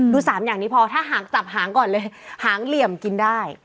๓อย่างนี้พอถ้าหางจับหางก่อนเลยหางเหลี่ยมกินได้